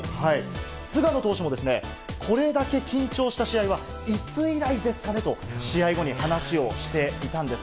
菅野投手もですね、これだけ緊張した試合は、いつ以来ですかねと、試合後に話をしていたんです。